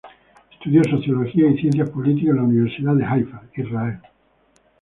Estudió sociología y Ciencias Políticas en la Universidad de Haifa, Israel.